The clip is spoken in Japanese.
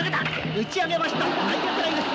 打ち上げました内野フライです